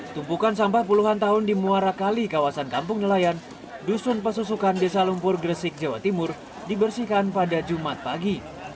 tumpukan sampah puluhan tahun di muara kali kawasan kampung nelayan dusun pesusukan desa lumpur gresik jawa timur dibersihkan pada jumat pagi